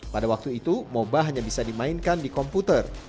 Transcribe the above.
pada waktu itu moba hanya bisa dimainkan di komputer